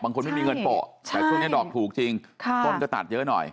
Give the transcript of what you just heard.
ไม่มีเงินโปะแต่ช่วงนี้ดอกถูกจริงต้นก็ตัดเยอะหน่อย